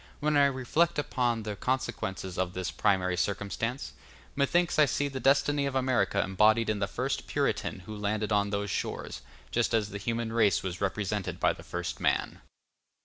When I reflect upon the consequences of this primary circumstance, methinks I see the destiny of America embodied in the first Puritan who landed on those shores, just as the human race was represented by the first man.